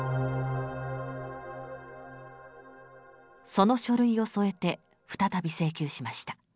その書類を添えて再び請求しました。